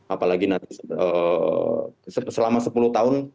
apalagi nanti selama sepuluh tahun